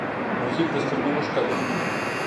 موزیک د سترګو اوښکه ده.